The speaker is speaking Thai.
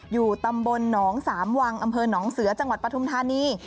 อยู่ตำบลหนองสามวังอำเภอหนองเสือจังหวัดปฐุมธานี